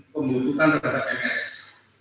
pembunuhkan terhadap mrs